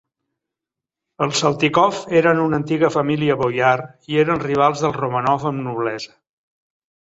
Els Saltykov eren una antiga família boiar i eren rivals dels Romànov en noblesa.